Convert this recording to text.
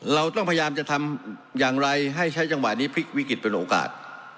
เราต้องพยายามจะทำอย่างไรให้ใช้จังหวะนี้พลิกวิกฤตเป็นโอกาส